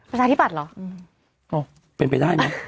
ประชาธิบัตย์เหรอเป็นไปได้ไหม